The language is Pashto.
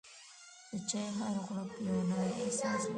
د چای هر غوړپ یو نوی احساس لري.